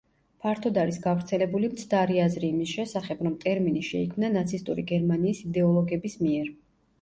ფართოდ არის გავრცელებული მცდარი აზრი იმის შესახებ, რომ ტერმინი შეიქმნა ნაცისტური გერმანიის იდეოლოგების მიერ.